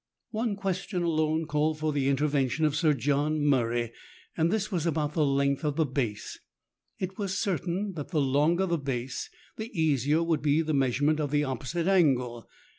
One ques tion alone called for the intervention of Sir John Murray. This was about the length of the base. It was certain that the longer the base, the easier would be the measurement of the opposite angle.